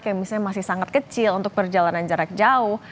kayak misalnya masih sangat kecil untuk perjalanan jarak jauh